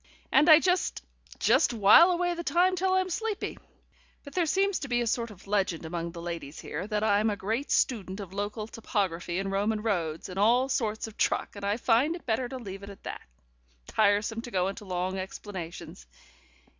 And I just just while away the time till I'm sleepy. But there seems to be a sort of legend among the ladies here, that I'm a great student of local topography and Roman roads, and all sorts of truck, and I find it better to leave it at that. Tiresome to go into long explanations.